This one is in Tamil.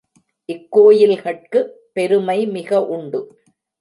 இக் கோயில்கட்குப் பெருமை மிக உண்டு.